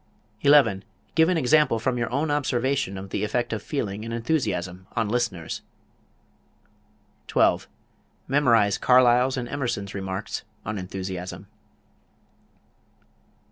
11. Give an example from your own observation of the effect of feeling and enthusiasm on listeners. 12. Memorize Carlyle's and Emerson's remarks on enthusiasm.